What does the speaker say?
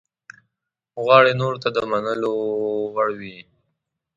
غواړي نورو ته د منلو وړ وي.